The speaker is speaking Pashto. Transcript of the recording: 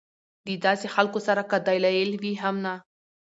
د داسې خلکو سره کۀ دلائل وي هم نۀ